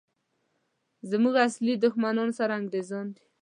زموږ اصلي دښمنان سره انګریزان دي!